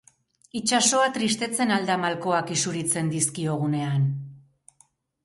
Itsasoa tristetzen al da malkoak isuritzen dizkiogunean?